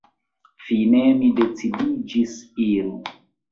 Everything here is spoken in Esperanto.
Fine mi decidiĝis iri.